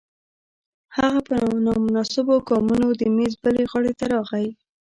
هغه په نامناسبو ګامونو د میز بلې غاړې ته راغی